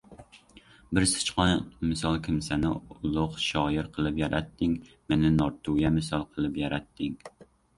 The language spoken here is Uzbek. "Bir sichqon misol kimsani ulug‘ shoir qilib yaratding, meni nortuya misol qilib yaratding".